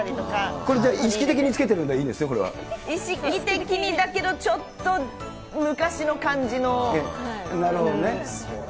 これじゃあ、意識的につけて意識的にだけど、ちょっと昔なるほどね。